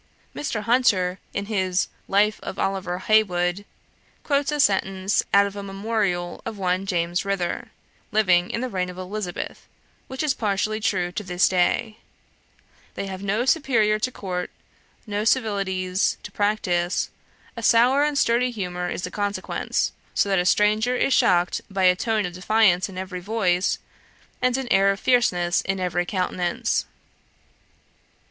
Mr. Hunter, in his "Life of Oliver Heywood," quotes a sentence out of a memorial of one James Rither, living in the reign of Elizabeth, which is partially true to this day: "They have no superior to court, no civilities to practise: a sour and sturdy humour is the consequence, so that a stranger is shocked by a tone of defiance in every voice, and an air of fierceness in every countenance."